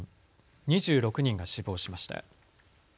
２６人が死亡しました。